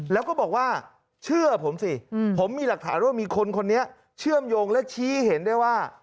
แล้วก็บอกว่าเชื่อผมสิผมมีหลักฐานว่ามีคนคนนี้เชื่อมโยงและชี้เห็นได้ว่า